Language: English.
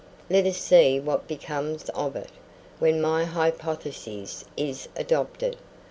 Let us see what becomes of it, when my hypothesis is adopted.